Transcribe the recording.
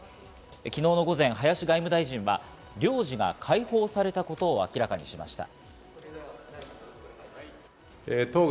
昨日の午前、林外務大臣は領事が解放されたことを明らかにしました。